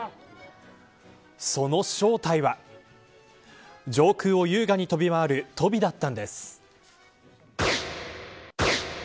その正体は上空を優雅に飛びまわるトビだったんです。